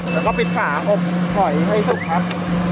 แล้วก็ปิดฝาอบหอยให้สุกครับ